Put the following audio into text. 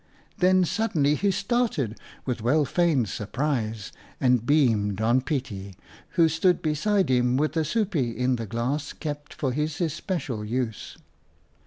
Then suddenly he started with well feigned surprise and beamed on Pietie, who stood beside him with a soopje in the glass kept for his especial use.